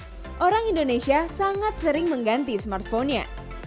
fakta ketiga orang indonesia sangat sering mengganti smartphone nya